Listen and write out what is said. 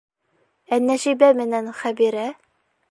Ә Нәжибә менән Хәбирә?